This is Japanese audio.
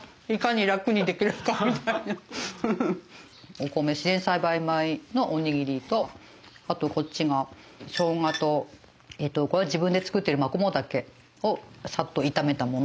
お米自然栽培米のおにぎりとあとこっちがショウガとこれは自分で作ってるマコモダケをサッと炒めたもの。